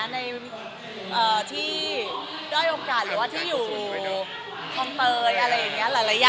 ที่รีบได้โอกาสหรือที่อยู่คลองเตย